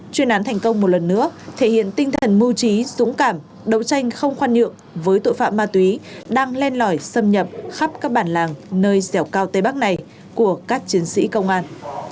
chuyên án thành công một lần nữa thể hiện tinh thần mưu trí dũng cảm đấu tranh không khoan nhượng với tội phạm ma túy đang len lỏi xâm nhập khắp các bản làng nơi dẻo cao tây bắc này của các chiến sĩ công an